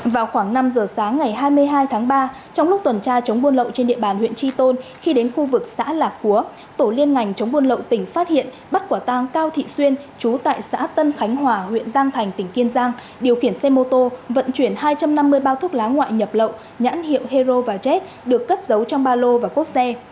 vào khoảng năm giờ sáng ngày hai mươi hai tháng ba trong lúc tuần tra chống buôn lậu trên địa bàn huyện tri tôn khi đến khu vực xã lạc cúa tổ liên ngành chống buôn lậu tỉnh phát hiện bắt quả tang cao thị xuyên trú tại xã tân khánh hòa huyện giang thành tỉnh kiên giang điều khiển xe mô tô vận chuyển hai trăm năm mươi bao thuốc lá ngoại nhập lậu nhãn hiệu hero và jet được cất giấu trong ba lô và cốc xe